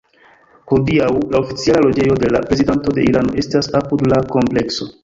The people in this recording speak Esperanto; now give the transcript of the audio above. Hodiaŭ, la oficiala loĝejo de la Prezidanto de Irano estas apud la komplekso.